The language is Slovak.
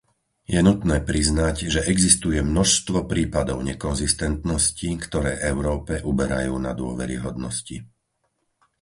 Je nutné priznať, že existuje množstvo prípadov nekonzistentnosti, ktoré Európe uberajú na dôveryhodnosti.